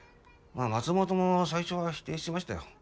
まあ松本も最初は否定してましたよ。